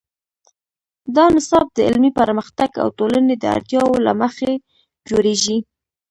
دا نصاب د علمي پرمختګ او ټولنې د اړتیاوو له مخې جوړیږي.